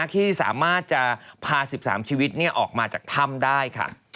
ที่สามารถจะพา๑๓ชีวิตออกมาจากถ้ำได้ค่ะ